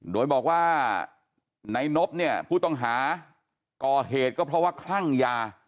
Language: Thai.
โดยบอกว่าในนบเนี่ยผู้ต้องหาก่อเหตุก็เพราะว่าคลั่งยา